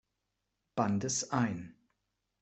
Bandes ein.